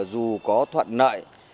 dù có thuận nợ